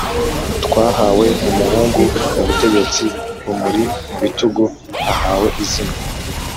twahawe umuhungu, ubutegetsi bumuri mu bitugu ahawe izina: